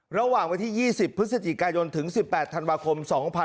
ระหว่างวันที่๒๐พฤศจิกายนถึง๑๘ธันวาคม๒๕๖๒